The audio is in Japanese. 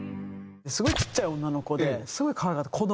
すごいちっちゃい女の子ですごい可愛かった。